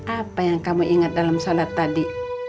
apa yang kamu ingat dalam sholat tadi